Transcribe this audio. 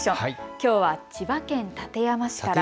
きょうは千葉県館山市から。